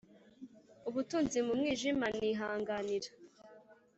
ubutunzi mu mwijima nihanganira -